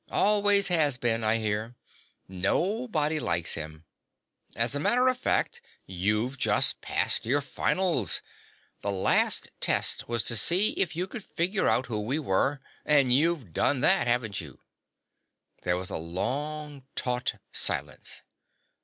Always has been, I hear. Nobody likes him. As a matter of fact, you've just passed your finals. The last test was to see if you could figure out who we were and you've done that, haven't you?" There was a long, taut silence.